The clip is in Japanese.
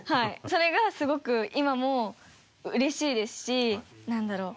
それがすごく今もうれしいですしなんだろう。